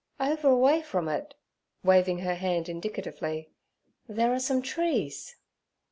'Over away from it' waving her hand indicatively, 'there are some trees.'